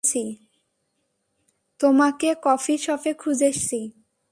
তোমাকে কফি শপে খুঁজেছি।